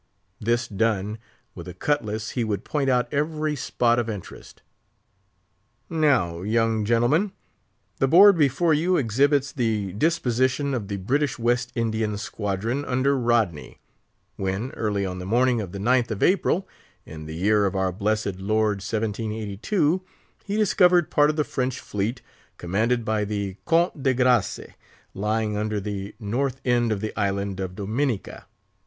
This done, with a cutlass he would point out every spot of interest. "Now, young gentlemen, the board before you exhibits the disposition of the British West Indian squadron under Rodney, when, early on the morning of the 9th of April, in the year of our blessed Lord 1782, he discovered part of the French fleet, commanded by the Count de Grasse, lying under the north end of the Island of Dominica.